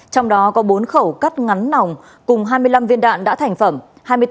trong đó có bốn khẩu cắt ngắn nòng cùng hai mươi năm viên đạn đã thành phẩm